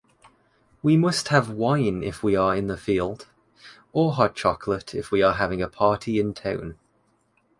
We must have wine if we are in the field, or hot chocolate if we are having a party in town.